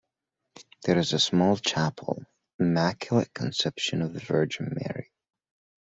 There is a small chapel, Immaculate Conception of the Virgin Mary.